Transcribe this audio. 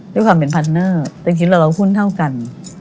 ด้วยความเป็นพัทเนอร์เดี๋ยวก่อนเราเอาหุ้นเท่ากัน